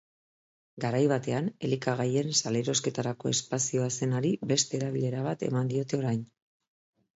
Garai batean elikagaien salerosketarako espazioa zenari beste erabilera bat eman diote orain.